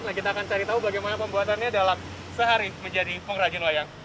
nah kita akan cari tahu bagaimana pembuatannya dalam sehari menjadi pengrajin wayang